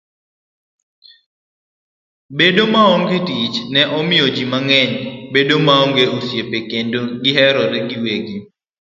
Bedo maonge tich ne miyo ji mang'eny bedo maonge osiepe kendo giherore giwegi.